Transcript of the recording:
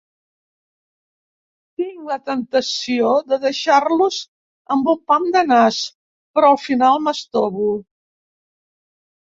Tinc la temptació de deixar-los amb un pam de nas, però al final m'estovo.